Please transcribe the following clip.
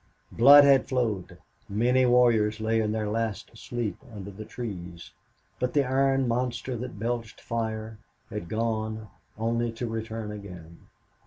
Blood had flowed; many warriors lay in their last sleep under the trees; but the iron monster that belched fire had gone only to return again.